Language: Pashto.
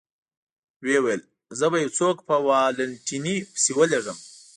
ویې ویل: زه به یو څوک په والنتیني پسې ولېږم.